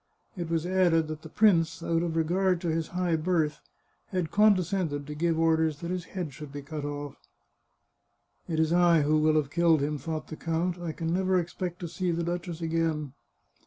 It was added that the prince, out of regard to his high birth, had condescended to give orders that his head should be cut off. " It is I who will have killed him," thought the count. " I can never expect to see the duchess again."